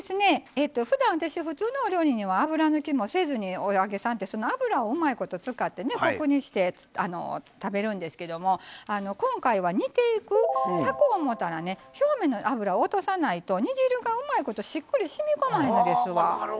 ふだん、私は普通のお料理には油抜きもせずにお揚げさんって油をうまいこと使って食べるんですけども今回は煮ていく炊こうと思ったら表面の油を落とさないと煮汁がうまいことしみこまへんのですわ。